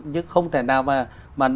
chứ không thể nào mà